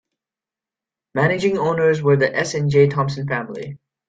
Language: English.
Managing owners were the S and J Thompson family.